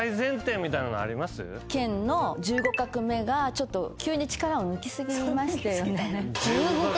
「験」の１５画目が急に力を抜きすぎましたよね。